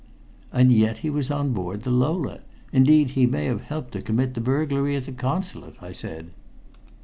"And yet he was on board the Lola. Indeed, he may have helped to commit the burglary at the Consulate," I said.